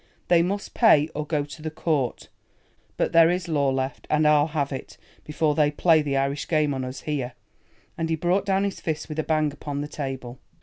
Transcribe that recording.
They must pay or go to the court. But there is law left, and I'll have it, before they play the Irish game on us here." And he brought down his fist with a bang upon the table.